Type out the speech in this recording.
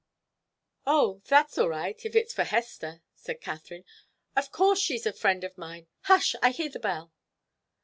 "Oh that's all right, if it's for Hester," said Katharine. "Of course she's a friend of mine. Hush! I hear the bell."